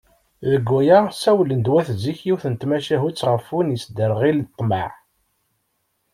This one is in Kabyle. Deg waya, ssawalen-d wat zik yiwet n tmacahut γef win i yesderγil ṭṭmeε.